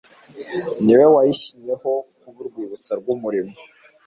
Niwe wayishyinyeho kuba urwibutso rw'umurimo